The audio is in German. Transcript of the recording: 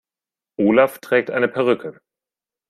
Olaf trägt eine Perücke.